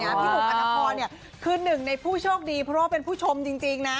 พี่หนุ่มอัตภพรคือหนึ่งในผู้โชคดีเพราะว่าเป็นผู้ชมจริงนะ